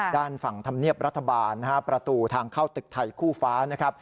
ด้านฝั่งธรรมเนียบรัฐบาลประตูทางเข้าตึกไทยคู่ฟ้านะครับ